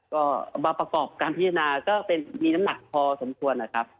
ก็เอามาประกอบการพิจารณาก็เป็นมีน้ำหนักพอสมควรนะครับ